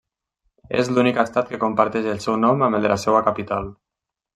És l’únic estat que comparteix el seu nom amb el de la seua capital.